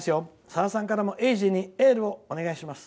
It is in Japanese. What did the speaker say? さださんからもえいじにエールをお願いします」。